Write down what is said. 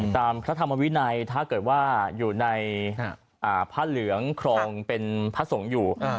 พระธรรมวินัยถ้าเกิดว่าอยู่ในผ้าเหลืองครองเป็นพระสงฆ์อยู่